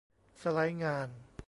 สไลด์งาน